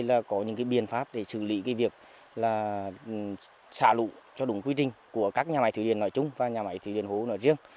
thì là có những cái biện pháp để xử lý cái việc là xả lũ cho đúng quy trình của các nhà máy thủy điện hố hồ nói chung và nhà máy thủy điện hố hồ nói riêng